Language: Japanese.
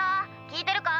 聞いてるか？